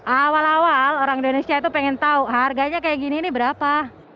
awal awal orang indonesia itu pengen tahu harganya kayak gini ini berapa